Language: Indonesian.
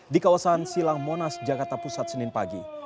di kawasan silang monas jakarta pusat senin pagi